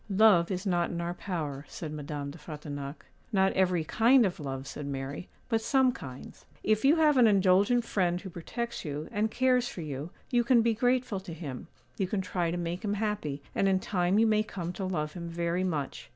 'Love is not in our power,' said Madame de Frontignac. 'Not every kind of love,' said Mary, 'but some kinds. If you have an indulgent friend who protects you, and cares for you, you can be grateful to him; you can try to make him happy, and in time you may come to love him very much.